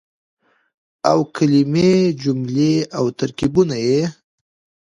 او کلمې ،جملې او ترکيبونه يې